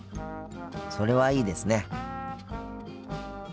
それはいいですね。